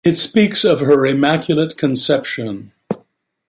It speaks of her immaculate conception.